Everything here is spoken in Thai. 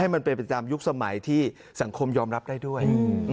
ให้มันเป็นประจำยุคสมัยที่สังคมยอมรับได้ด้วย